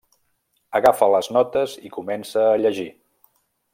Agafa les notes i comença a llegir.